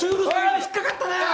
引っかかったな！